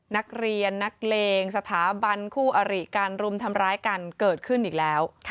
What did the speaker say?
นักเรียนนักเลงสถาบันคู่อริการรุมทำร้ายกันเกิดขึ้นอีกแล้ว